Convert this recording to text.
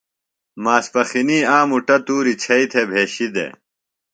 ماسپخِنی آ مُٹہ تُوریۡ چھئیۡ تھےۡ بھیشیۡ دےۡ۔